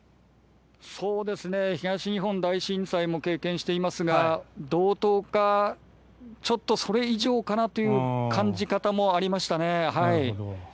東日本大震災も経験していますが同等かちょっとそれ以上かなという感じ方もありましたね。